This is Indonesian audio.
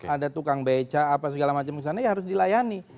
ada tukang beca apa segala macam di sana ya harus dilayani